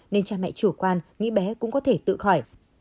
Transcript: nên cha mẹ chủ quan nghĩ bé cũng có thể tự khỏi